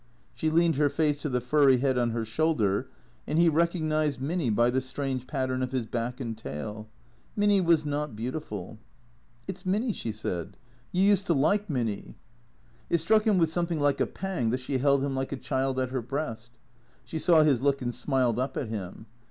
She leaned her face to the furry head on her shoulder, and he recognized Minny by the strange pattern of his back and tail. Minny was not beautiful. "It's Minny," she said. "You used to like Minny." THE CREATORS 201 It struck him with something like a pang that she held him like a child at her breast. She saw his look and smiled up at him.